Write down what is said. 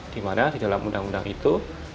dimana di dalam undang undang itu